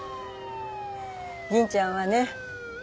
銀ちゃんはね